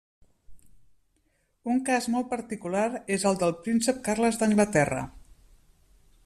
Un cas molt particular és el del Príncep Carles d'Anglaterra.